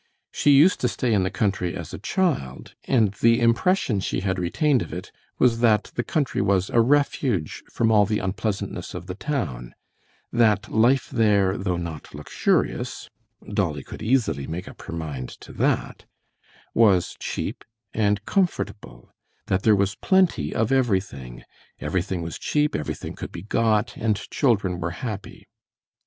She used to stay in the country as a child, and the impression she had retained of it was that the country was a refuge from all the unpleasantness of the town, that life there, though not luxurious—Dolly could easily make up her mind to that—was cheap and comfortable; that there was plenty of everything, everything was cheap, everything could be got, and children were happy.